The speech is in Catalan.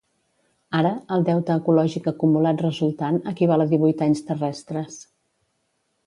Ara, el deute ecològic acumulat resultant equival a divuit anys terrestres.